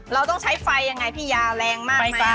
เราต้องใช้ไฟยังไงพี่ยาวแรงมากไหม